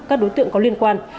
các đối tượng có liên quan